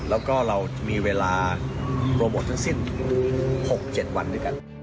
แล้วก็เรามีเวลาโปรโมททั้งสิ้น๖๗วันด้วยกัน